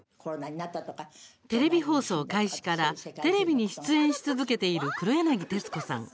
テレビ放送開始からテレビに出演し続けている黒柳徹子さん。